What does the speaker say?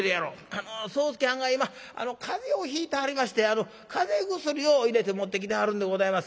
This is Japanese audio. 「あの宗助はんが今風邪をひいてはりまして風邪薬を入れて持ってきてはるんでございます。